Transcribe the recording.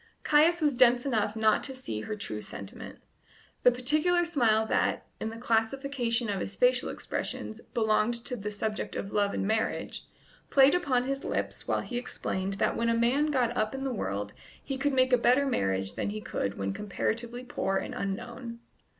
Caius was dense enough not to see her true sentiment. The particular smile that, in the classification of his facial expressions, belonged to the subject of love and marriage, played upon his lips while he explained that when a man got up in the world he could make a better marriage than he could when comparatively poor and unknown.